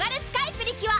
プリキュア